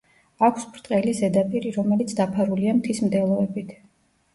აქვს ბრტყელი ზედაპირი, რომელიც დაფარულია მთის მდელოებით.